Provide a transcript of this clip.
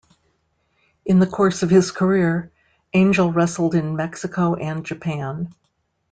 In the course of his career, Angel wrestled in Mexico and Japan.